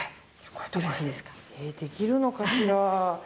できるのかしら。